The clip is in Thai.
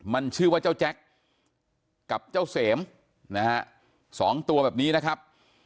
มันชื่อว่าเจ้าแจ็คกับเจ้าเสมนะฮะสองตัวแบบนี้นะครับ